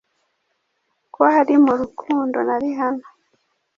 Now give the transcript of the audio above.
ko ari mu rukundo na Rihanna